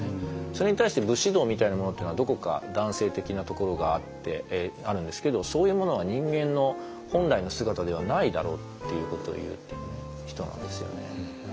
それに対して武士道みたいなものっていうのはどこか男性的なところがあるんですけどそういうものは人間の本来の姿ではないだろうっていうことをいっている人なんですよね。